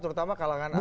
terutama kalangan artis